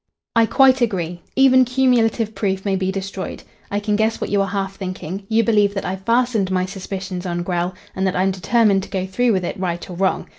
"I quite agree. Even cumulative proof may be destroyed. I can guess what you are half thinking. You believe that I've fastened my suspicions on Grell, and that I'm determined to go through with it right or wrong.